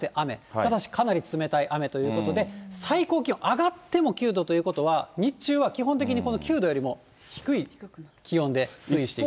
ただしかなり冷たい雨ということで、最高気温、上がっても９度ということは、日中は基本的に、この９度よりも低い気温で推移していく。